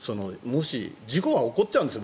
事故は起こっちゃうんですよ。